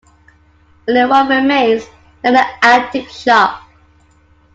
Only one remains, now an antique shop.